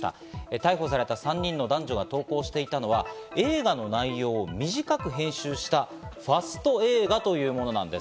逮捕された３人の男女が投稿していたのは映画の内容を短く編集したファスト映画というものなんです。